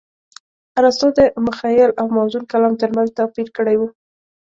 ارستو د مخيل او موزون کلام ترمنځ توپير کړى و.